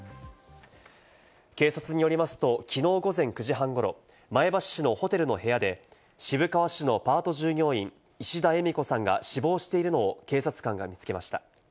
警察によりますと、きのう午前９時半ごろ、前橋市のホテルの部屋で渋川市のパート従業員、石田えみ子さんが死亡しているのを警察官が見つけました。